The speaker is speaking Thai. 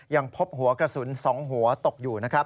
ยังพบหัวกระสุน๒หัวตกอยู่